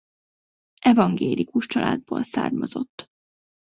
Evangélikus családból származott.